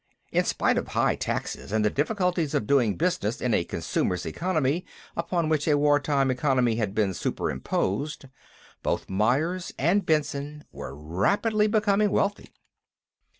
In spite of high taxes and the difficulties of doing business in a consumers' economy upon which a war time economy had been superimposed, both Myers and Benson were rapidly becoming wealthy.